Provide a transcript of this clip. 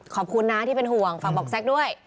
ขอบคุณนะที่เป็นห่วงฝากบอกแซ็กด้วย